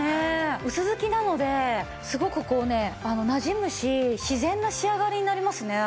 薄づきなのですごくこうねなじむし自然な仕上がりになりますね。